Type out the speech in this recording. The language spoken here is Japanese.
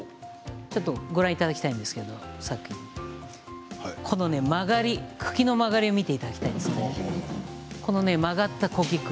ちょっとご覧いただきたいんですけどもこの曲がり、茎の曲がりを見ていただきたいんですけどこの曲がった小菊。